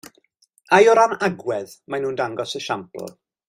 Ai o ran agwedd maen nhw'n dangos esiampl?